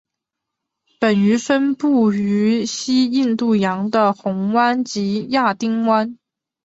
本鱼分布于西印度洋的红海及亚丁湾。